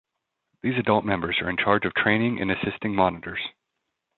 These adult members are in charge of training and assisting Monitors.